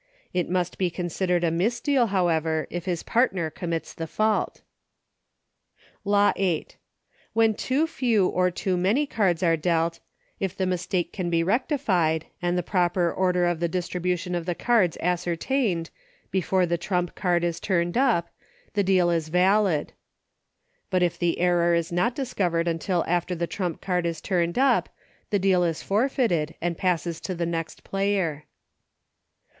It must be consi dered a misdeal, however, if his partner com mits the fault. Law VIII. When too few or too many cards are dealt, if the mistake can be rectified, and the pro per order of the distribution of the cards as certained, before the trump card is turned up, the deal is valid ; but if the error is not dis covered until after the trump card is turned LAWS. 93 up, the deal is forfeited, and passes to the next player.